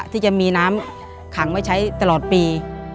ที่จะมีน้ำขังไว้ใช้ตลอดปี